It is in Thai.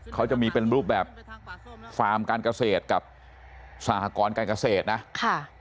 เขาจะมีเป็นรูปแบบฟาร์มการเกษตรกับสหกรการเกษตรนะค่ะ